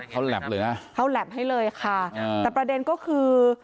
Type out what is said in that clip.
เขาแหลปเลยนะเขาแหลปให้เลยค่ะแต่ประเด็นก็คือ